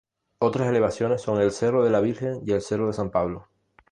Otras elevaciones son el cerro de la Virgen y el cerro de San Pablo.